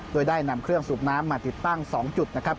โดยได้นำเครื่องสูบน้ำมาติดตั้ง๒จุดนะครับ